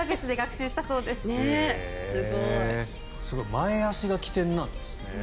前足が基点なんですね。